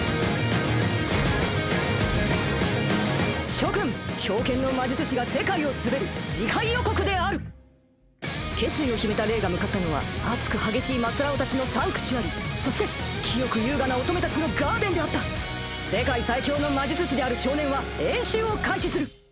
諸君「冰剣の魔術師が世界を統べる」次回予告である決意を秘めたレイが向かったのは熱く激しい益荒男達のサンクチュアリそして清く優雅な乙女達のガーデンであった「世界最強の魔術師である少年は、演習を開始する」